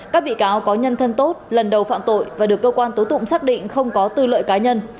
các bị cáo có nhân thân tốt lần đầu phạm tội và được cơ quan tố tụng xác định không có tư lợi cá nhân